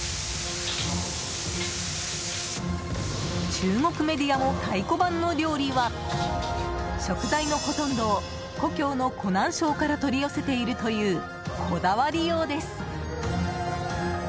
中国メディアも太鼓判の料理は食材のほとんどを故郷の湖南省から取り寄せているというこだわりようです！